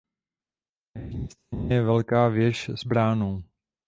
Na jižní straně je velká věž s bránou.